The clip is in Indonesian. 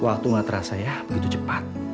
waktu gak terasa ya begitu cepat